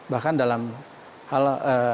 bahkan dalam hal